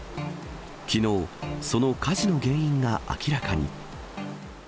きのう、その火事の原因が明らかに。